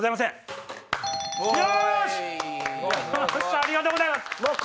ありがとうございます。